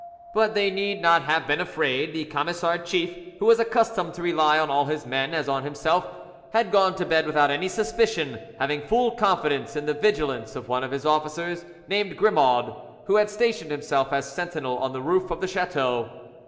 But they need not have been afraid; the Camisard chief, who was accustomed to rely on all his men as on himself, had gone to bed without any suspicion, having full confidence in the vigilance of one of his officers, named Grimaud, who had stationed himself as sentinel on the roof of the chateau.